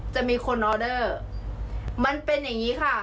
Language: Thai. จะมีคนออเดอร์มันเป็นอย่างนี้ค่ะ